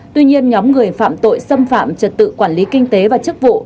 tuy nhiên nhóm người phạm tội xâm phạm trật tự quản lý kinh tế và chức vụ